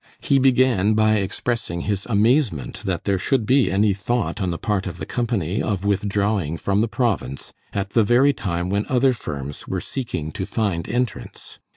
He began by expressing his amazement that there should be any thought on the part of the company of withdrawing from the province at the very time when other firms were seeking to find entrance.